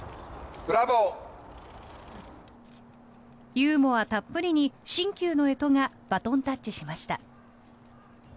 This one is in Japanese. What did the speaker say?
ユーモアたっぷりに新旧の干支がバトンタッチしました。